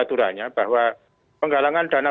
aturannya bahwa penggalangan dana